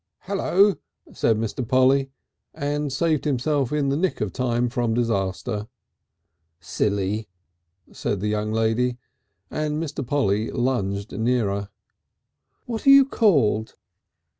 "Hello," said Mr. Polly, and saved himself in the nick of time from disaster. "Silly," said the young lady, and Mr. Polly lunged nearer. "What are you called?"